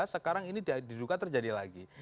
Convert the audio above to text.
sekarang ini diduga terjadi lagi